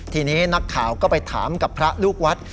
ทีนี้นักข่าวก็ไปถามกับพระลูกวัด